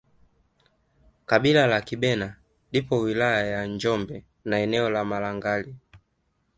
Kabila la Kibena liko wilaya ya Njombe na eneo la Malangali